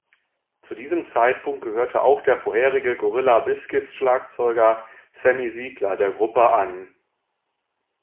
Zu diesem Zeitpunkt gehörte auch der vorherige Gorilla-Biscuits-Schlagzeuger Sammy Siegler der Gruppe an.